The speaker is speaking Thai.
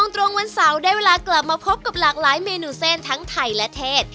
ตรงวันเสาร์ได้เวลากลับมาพบกับหลากหลายเมนูเส้นทั้งไทยและเทศ